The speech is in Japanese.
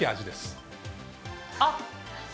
あっ。